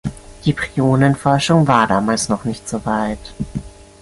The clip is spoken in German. Die Prionenforschung war damals noch nicht so weit.